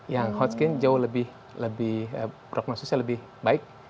yang hot skin jauh lebih prognosisnya lebih baik